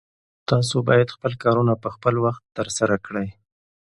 تاسو باید خپل کارونه په خپل وخت ترسره کړئ.